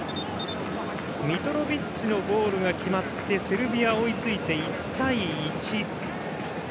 ミトロビッチのゴールが決まってセルビアが追いついて１対１。